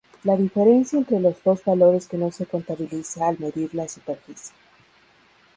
La diferencia entre los dos valores que no se contabiliza al medir la superficie.